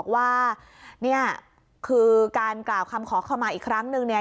ว่าเนี่ยคือการกล่าวคำขอเข้ามาอีกครั้งนึงเนี่ย